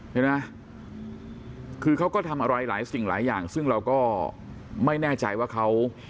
เห็นไหมคือเขาก็ทำอะไรหลายสิ่งหลายอย่างซึ่งเราก็ไม่แน่ใจว่าเขา